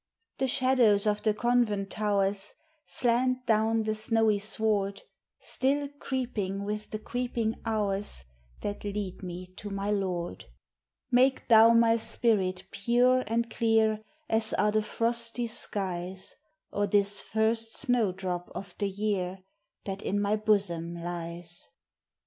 The shadows of the convent towers Slant down the snowy sward, Still creeping with the creeping hours That lead me to my Lord : Make Thou my spirit pure and clear As are the frosty skies, Or this first snow drop of the year That in my bosom lies.